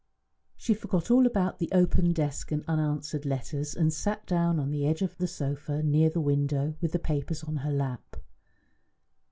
She forgot all about the open desk and unanswered letters, and sat down on the edge of the sofa near the window with the papers on her lap.